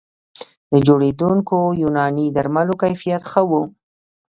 د جوړېدونکو یوناني درملو کیفیت ښه و